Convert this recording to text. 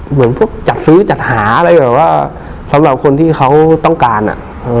เหมือนพวกจัดซื้อจัดหาอะไรแบบว่าสำหรับคนที่เขาต้องการอ่ะ